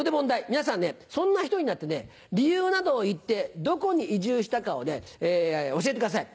皆さんねそんな人になって理由などを言ってどこに移住したかを教えてください。